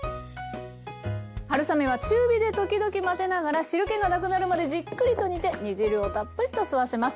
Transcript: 春雨は中火で時々混ぜながら汁けがなくなるまでじっくりと煮て煮汁をたっぷりと吸わせます。